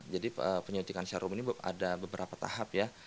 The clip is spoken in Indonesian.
jadi penyelidikan serum ini ada beberapa tahap ya